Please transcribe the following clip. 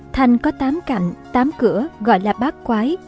thành có tám cạnh tám cửa gọi là bác quái